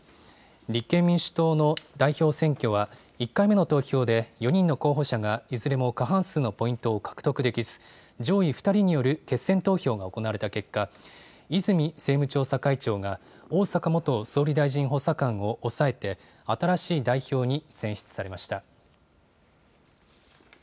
立憲民主党の代表選挙は、１回目の投票で４人の候補者がいずれも過半数のポイントを獲得できず、上位２人による決選投票が行われた結果、泉政務調査会長が逢坂元総理大臣補佐官を抑えて、新しい代表に選出されました。